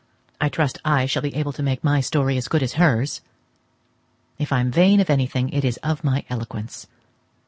I trust I shall be able to make my story as good as hers. If I am vain of anything, it is of my eloquence.